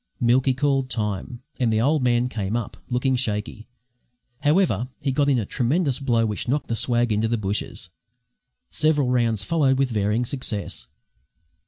Milky called time, and the old man came up, looking shaky. However, he got in a tremendous blow which knocked the swag into the bushes. Several rounds followed with varying success.